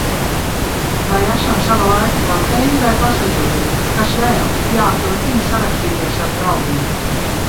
Vai esam sava laika kapteiņi vai pasažieri? Kas vēl? Jā, turpinu sarakstīties ar draugiem.